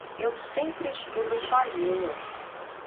Eu sempre estudo sozinho.